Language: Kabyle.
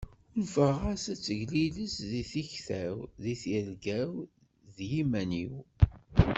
Unfeɣ-as ad teglilez deg tikta-w, deg tirga-w d yiman-iw.